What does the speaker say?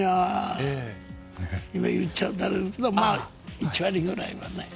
今、言っちゃうとあれですけど１割ぐらいはね。